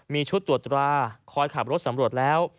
มีชุดตรวจตราคอยขับรถสำรวจแล้ว